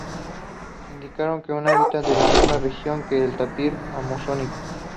Indicaron que habita en la misma región que el tapir amazónico.